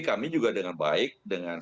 kami juga dengan baik dengan